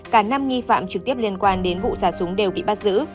cả năm nghi phạm trực tiếp liên quan đến vụ xả súng đều bị bắt giữ